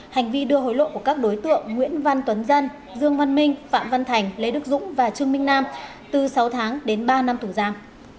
hành vi đưa hối lộ của các đối tượng nguyễn văn tuấn dân dương văn minh phạm văn thành lê đức dũng và trương minh nam từ sáu tháng đến ba năm tù giam